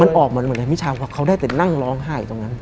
มันออกมาเหมือนในมิชาว่าเขาได้แต่นั่งร้องไห้ตรงนั้น